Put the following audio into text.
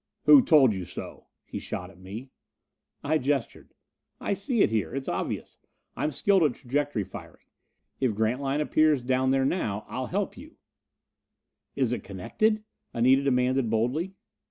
"Who told you so?" he shot at me. I gestured. "I see it here. It's obvious. I'm skilled at trajectory firing. If Grantline appears down there now, I'll help you " "Is it connected?" Anita demanded boldly.